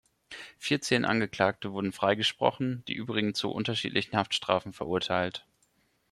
Vierzehn Angeklagte wurden freigesprochen, die übrigen zu unterschiedlichen Haftstrafen verurteilt.